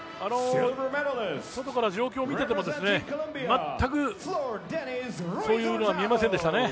外から状況を見ていても、全くそういうのは見えませんでしたね。